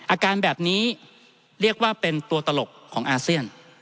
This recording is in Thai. อาการแบบนี้เรียกว่าเป็นตัวตลกของอาเซียน